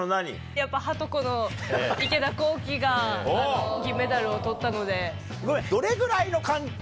やっぱはとこの池田向希が銀メダルを取ったので。